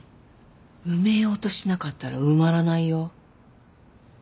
埋めようとしなかったら埋まらないよ。